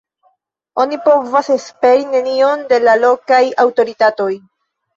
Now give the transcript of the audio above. Oni povas esperi nenion de la lokaj aŭtoritatoj.